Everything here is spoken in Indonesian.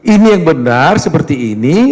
ini yang benar seperti ini